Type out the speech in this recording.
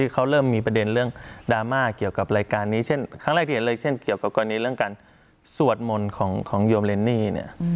เกี่ยวกับกรณีเรื่องการสวดมนตร์ของของยมเรนนี่เนี่ย